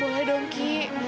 boleh dong ki